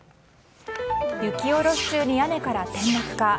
雪下ろし中に屋根から転落か。